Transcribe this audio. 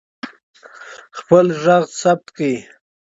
خپل غږ ثبت کړئ.